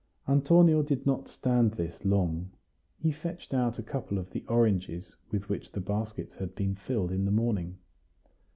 Antonio did not stand this long; he fetched out a couple of the oranges with which the baskets had been filled in the morning.